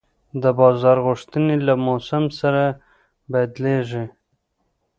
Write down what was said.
د بازار غوښتنې له موسم سره بدلېږي.